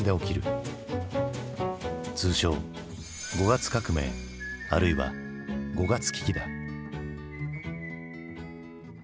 通称「五月革命」あるいは「五月危機」だ。